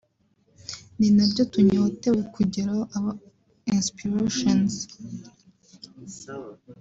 ni nabyo tunyotewe kugeraho (our aspirations)